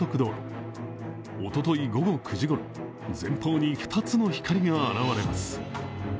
おととい午後９時ごろ、前方に２つの光が現れます。